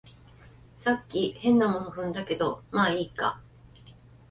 さっき変なもの踏んだけど、まあいいか